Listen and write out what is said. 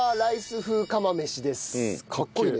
かっこいいね。